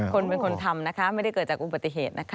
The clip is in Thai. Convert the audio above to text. คนเป็นคนทำนะคะไม่ได้เกิดจากอุบัติเหตุนะคะ